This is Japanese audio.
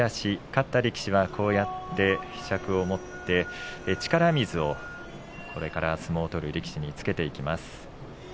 勝った力士はひしゃくを持ってこれから相撲を取る力士につけていきます。